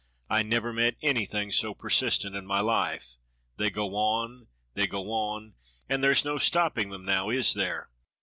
I never met anything so persistent in my life. They go on, they go on, and there's no stopping them, now is there